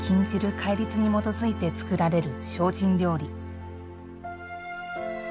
戒律に基づいて作られる精進料理。